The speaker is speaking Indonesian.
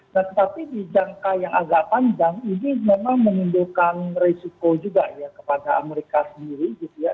nah tetapi di jangka yang agak panjang ini memang menimbulkan resiko juga ya kepada amerika sendiri gitu ya